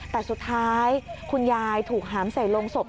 แต่สุดท้ายคุณยายถูกหามใส่ลงศพ